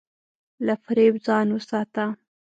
له فریب ځان وساته.